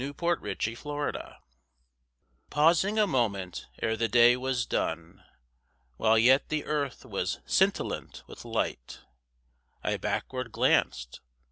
RESURRECTION Pausing a moment ere the day was done, While yet the earth was scintillant with light, I backward glanced.